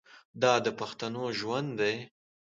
دا د پښتنو ژوند دی.